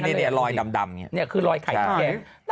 นี่รอยดำนี่คือรอยไข่ตุ๊กแก